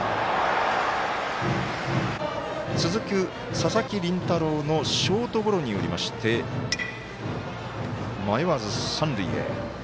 続く佐々木麟太郎のショートゴロによりまして迷わず三塁へ。